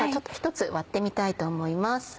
一つ割ってみたいと思います。